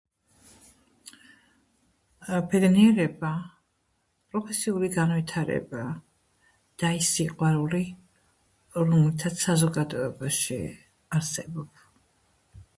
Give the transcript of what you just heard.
ბედნიერება, პროფესიული განვითარება და ის სიყვარული რომლითაც საზოგადოებაში არსებობ.